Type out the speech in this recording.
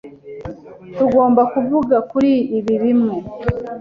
Tugomba kuvuga kuri ibi bimwe.